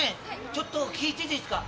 ちょっと聞いていいですか？